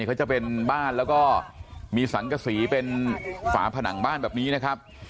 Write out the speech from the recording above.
เขาจะเป็นบ้านแล้วก็มีสังกษีเป็นฝาผนังบ้านแบบนี้นะครับ